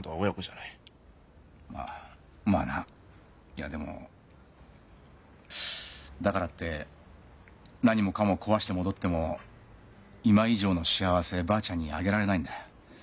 いやでもだからって何もかも壊して戻っても今以上の幸せばあちゃんにあげられないんだ。